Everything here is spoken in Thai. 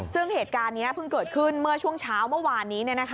ซึ่งเหตุการณ์นี้เพิ่งเกิดขึ้นเมื่อช่วงเช้าเมื่อวานนี้